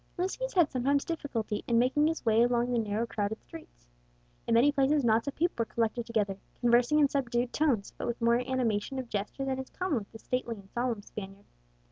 Lucius had sometimes difficulty in making his way along the narrow crowded streets. In many places knots of people were collected together, conversing in subdued tones, but with more animation of gesture than is common with the stately and solemn Spaniard.